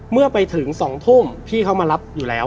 เมื่อไปถึง๒ทุ่มพี่เขามารับอยู่แล้ว